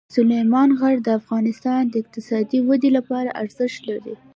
سلیمان غر د افغانستان د اقتصادي ودې لپاره ارزښت لري.